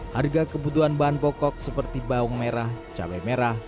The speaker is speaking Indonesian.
harga kebutuhan bahan pokok seperti bawang merah cabai merah